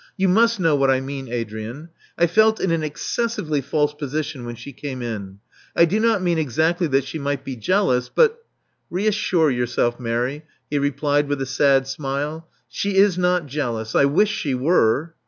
You must know what I mean, Adrian. I felt in an excessively false position when she came in. I do not mean exactly that she might be jealous; but " "Reassure yourself, Mary," he replied, with a sad smile. She is not jealous. I wish she were."